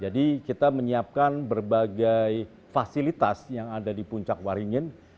jadi kita menyiapkan berbagai fasilitas yang ada di puncak waringin